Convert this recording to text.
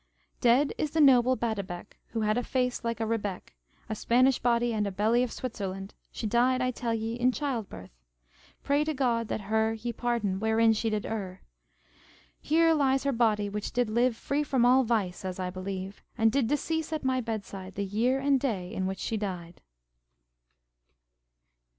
Dead is the noble Badebec, Who had a face like a rebeck; A Spanish body, and a belly Of Switzerland; she died, I tell ye, In childbirth. Pray to God, that her He pardon wherein she did err. Here lies her body, which did live Free from all vice, as I believe, And did decease at my bedside, The year and day in which she died.